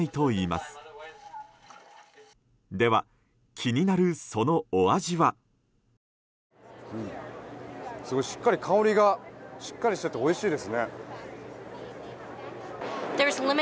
すごいしっかり香りがしっかりしていておいしいです。